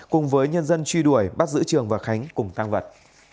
cùng với nhân dân truy đuổi bắt giữ trường và khánh cùng tăng vật